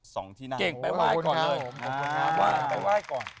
สองที่นั่งเก่งไปไหว้ก่อนเลยไหว้ไปไหว้ก่อน